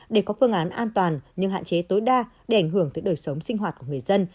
để có phương án an toàn nhưng hạn chế tối đa để ảnh hưởng tới đời sống sinh hoạt của người dân